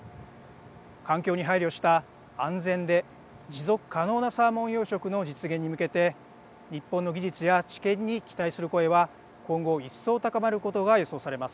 環境に配慮した安全で持続可能なサーモン養殖の実現に向けて日本の技術や知見に期待する声は今後一層高まることが予想されます。